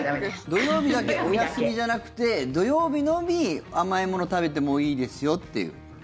土曜日だけお休みじゃなくて土曜日のみ、甘いもの食べてもいいですよっていう。